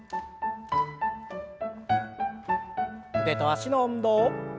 腕と脚の運動。